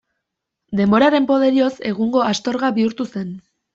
Denboraren poderioz, egungo Astorga bihurtu zen.